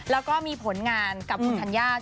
แล้วก็มีผลงานกับทุกท่านยาทใช่ไหม